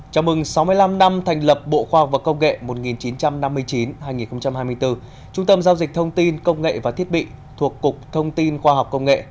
chào mừng sáu mươi năm năm thành lập bộ khoa học và công nghệ một nghìn chín trăm năm mươi chín hai nghìn hai mươi bốn trung tâm giao dịch thông tin công nghệ và thiết bị thuộc cục thông tin khoa học công nghệ